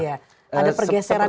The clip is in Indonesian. ada pergeseran seperti itu ya